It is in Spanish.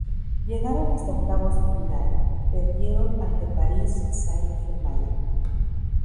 Llegaron hasta octavos de final, perdieron ante París Saint-Germain.